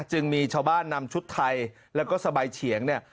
จึงมีชาวบ้านนำชุดไทยแล้วก็สบายเฉียงเนี่ย